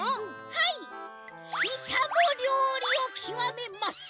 はいししゃもりょうりをきわめます！